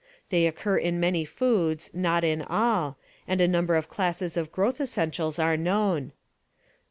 They occur in many foods, not in all, and a number of classes of growth essentials are known.